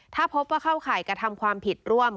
ถ้าพบว่าเข้าข่ายกระทำความผิดร่วม